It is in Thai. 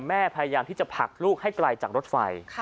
พยายามที่จะผลักลูกให้ไกลจากรถไฟ